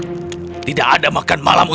aku tidak mau berada di dalamnya